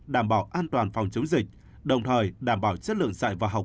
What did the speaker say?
đảm bảo an toàn phòng chống dịch đồng thời đảm bảo chất lượng dạy và học